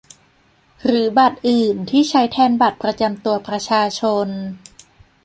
หรือบัตรอื่นที่ใช้แทนบัตรประจำตัวประชาชน